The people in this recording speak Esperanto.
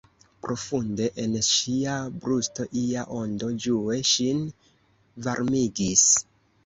Profunde en ŝia brusto ia ondo ĝue ŝin varmigis.